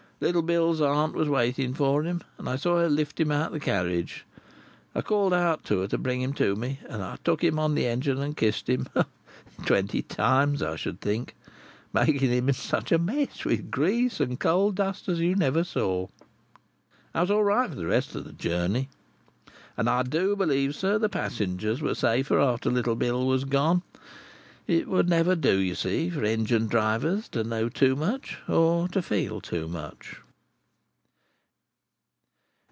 Little Bill's aunt was waiting for him, and I saw her lift him out of the carriage. I called out to her to bring him to me, and I took him upon the engine and kissed him—ah, twenty times I should think—making him in such a mess with grease and coal dust as you never saw. "I was all right for the rest of the journey. And I do believe, sir, the passengers were safer after little Bill was gone. It would never do, you see, for engine drivers to know too much, or to feel too much."